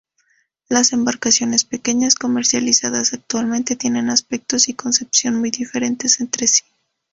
Las embarcaciones pequeñas comercializadas actualmente tienen aspectos y concepción muy diferentes entre sí.